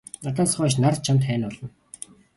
Надаас хойш нар чамд хань болно.